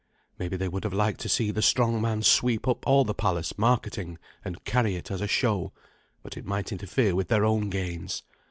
Maybe they would have liked to see the strong man sweep up all the palace marketing and carry it, as a show, but it might interfere with their own gains.